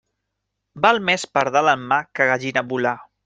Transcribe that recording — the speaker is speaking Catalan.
Val més pardal en mà que gallina volar.